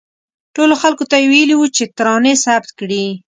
ټولو خلکو ته ویلي وو چې ترانې ثبت کړي.